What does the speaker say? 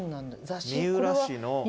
三浦市の。